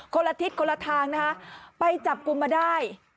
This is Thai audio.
คนละทิศคนละทางนะคะไปจับกลุ่มมาได้